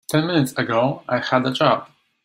Ten minutes ago I had a job.